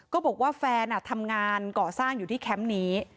บอกว่าแฟนทำงานก่อสร้างอยู่ที่แคมป์นี้